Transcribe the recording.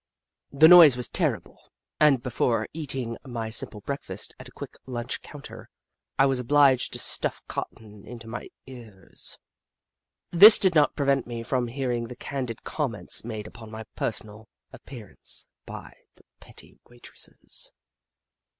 The noise was terrible, and before eat ing my simple breakfast at a quick lunch coun ter, I was obliged to stuff cotton into my ears. This did not prevent me from hearing the candid comments made upon my personal appearance by the pretty waitresses.